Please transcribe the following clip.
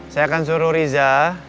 saya akan suruh riza